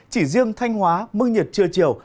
chỉ riêng thanh hóa mưa nhiệt trưa chiều